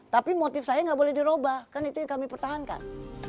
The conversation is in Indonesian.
tapi motif saya nggak boleh dirubah kan itu yang kami pertahankan